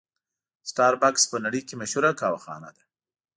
سټار بکس په نړۍ کې مشهوره قهوه خانه ده.